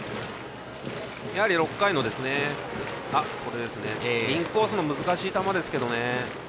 やはり６回のインコースの難しい球ですけどね。